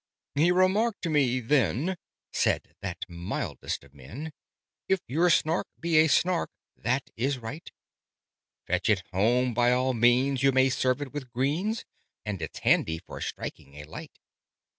"He remarked to me then," said that mildest of men, "'If your Snark be a Snark, that is right: Fetch it home by all means you may serve it with greens, And it's handy for striking a light.